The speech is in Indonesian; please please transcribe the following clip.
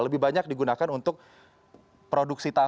lebih banyak digunakan untuk produksi